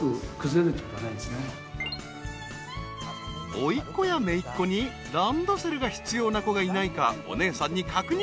［おいっ子やめいっ子にランドセルが必要な子がいないかお姉さんに確認］